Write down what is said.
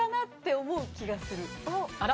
あら！